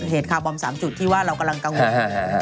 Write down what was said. เหตุคาร์บอม๓จุดที่ว่าเรากำลังเกลาเหงอะ